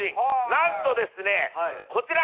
何とですねこちら。